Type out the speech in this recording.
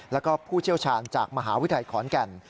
แล้วก็ผู้เชี่ยวชาญจากมหาวิทยาลัยขอนแก่น